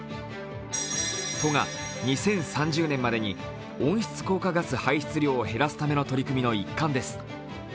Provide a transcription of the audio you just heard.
都が２０３０年までに温室効果ガス排出量を減らすための取り組みの一環です。